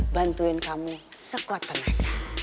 bantuin kamu sekuat tenaga